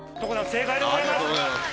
正解でございます。